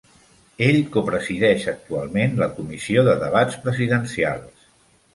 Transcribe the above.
Ell copresideix actualment la Comissió de debats presidencials.